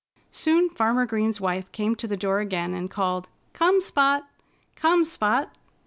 Soon Farmer Green's wife came to the door again and called, "Come, Spot! Come, Spot!"